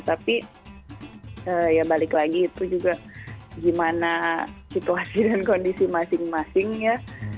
tapi ya balik lagi itu juga gimana situasi dan kondisi masing masing ya